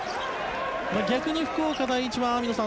逆に福岡第一は、網野さん